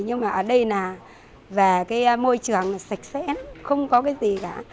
nhưng ở đây môi trường sạch sẽ không có gì cả